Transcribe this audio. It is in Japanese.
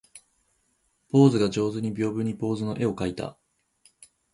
坊主が上手に屏風に坊主の絵を描いた